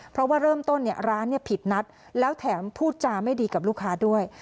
เพราะว่าเริ่มต้นร้านผิดนัดแล้วแถมพูดจาไม่ดีกับลูกค้าด้วย